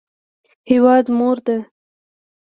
هیواد مور ده